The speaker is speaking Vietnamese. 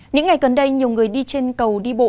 những ngày gần đây nhiều người đi trên cầu đi bộ